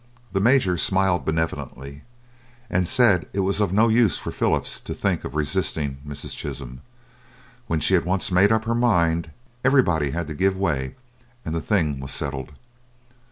The Major smiled benevolently, and said it was of no use for Philip to think of resisting Mrs. Chisholm; when she had once made up her mind, everybody had to give way, and the thing was settled.